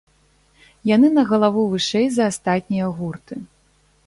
Яны на галаву вышэй за астатнія гурты.